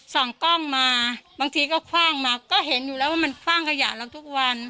กล้องมาบางทีก็คว่างมาก็เห็นอยู่แล้วว่ามันคว่างขยะเราทุกวัน